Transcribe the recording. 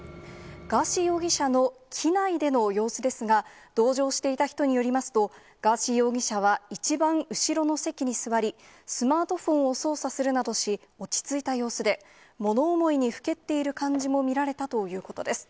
ガーシー容疑者の機内での様子ですが、同乗していた人によりますと、ガーシー容疑者は一番後ろの席に座り、スマートフォンを操作するなどし、落ち着いた様子で、物思いにふけっている感じも見られたということです。